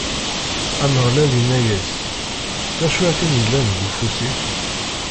Ameɣlal inna-as: D acu akken yellan deg ufus-ik?